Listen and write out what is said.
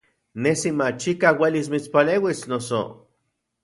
Nesi machikaj uelis mitspaleuis, noso.